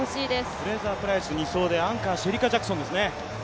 フレイザープライスが先頭アンカーシェリカ・ジャクソンですね。